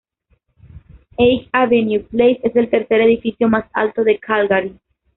Eighth Avenue Place es el tercer edificio más alto de Calgary.